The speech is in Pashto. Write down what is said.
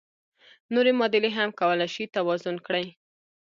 نورې معادلې هم کولای شئ توازن کړئ.